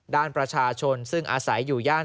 ด้านประชาชนซึ่งอาศัยอยู่ย่าน